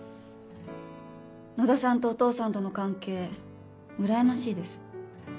野田さんとお父さんとの関係うらやましいです。